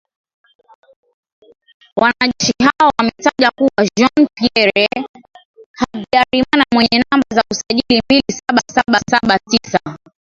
Wanajeshi hao wametajwa kuwa Jean Pierre Habyarimana mwenye namba za usajili mbili saba saba saba tisa